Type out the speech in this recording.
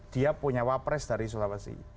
dia punya wapres dari sulawesi